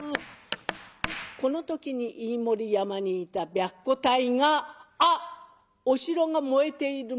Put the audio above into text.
この時に飯盛山にいた白虎隊が「あっお城が燃えている。